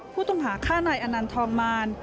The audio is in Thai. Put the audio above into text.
ผู้ต้องหาฆ่านายอนันทองมาร